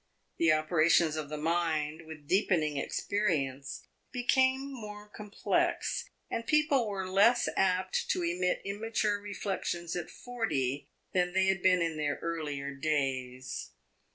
The operations of the mind, with deepening experience, became more complex, and people were less apt to emit immature reflections at forty than they had been in their earlier days.